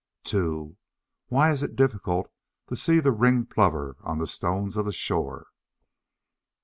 2. Why is it difficult to see the Ringed Plover on the stones of the shore?